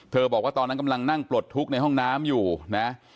บอกว่าตอนนั้นกำลังนั่งปลดทุกข์ในห้องน้ำอยู่นะ